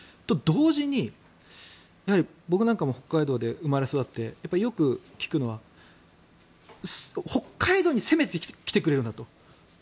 と同時に、やはり僕なんかも北海道で生まれ育ってよく聞くのは北海道に攻めてきてくれるなと。